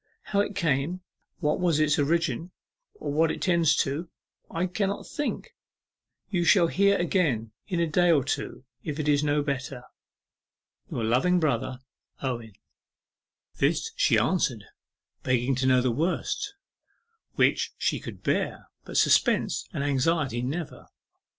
How it came, what was its origin, or what it tends to, I cannot think. You shall hear again in a day or two, if it is no better... Your loving brother, OWEN.' This she answered, begging to know the worst, which she could bear, but suspense and anxiety never.